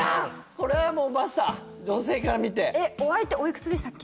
これはもうばっさー女性から見てお相手おいくつでしたっけ？